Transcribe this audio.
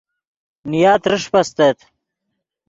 نیا ترݰپ استت